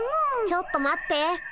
ちょっと待って。